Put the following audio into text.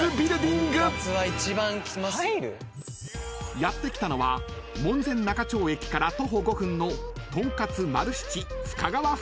［やって来たのは門前仲町駅から徒歩５分の］